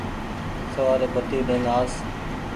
سوآري بتي لين آس ۔